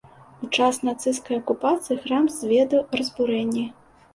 У час нацысцкай акупацыі храм зведаў разбурэнні.